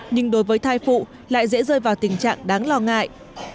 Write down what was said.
nhưng đối với thai phụ lại dễ rơi vào tình trạng đáng lo ngại